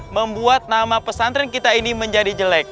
membuat nama pesantren kita ini menjadi jelek